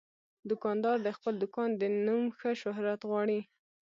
دوکاندار د خپل دوکان د نوم ښه شهرت غواړي.